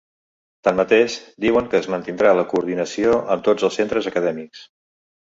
Tanmateix, diuen que es mantindrà la coordinació amb tots els centres acadèmics.